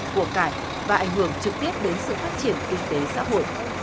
của cải và ảnh hưởng trực tiếp đến sự phát triển kinh tế xã hội